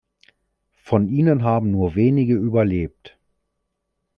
Von ihnen haben nur wenige überlebt.